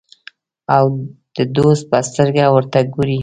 او د دوست په سترګه ورته ګوري.